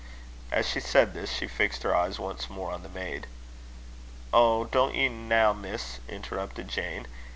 As she said this, she fixed her eyes once more on the maid. "Oh! don't ye now, Miss," interrupted Jane.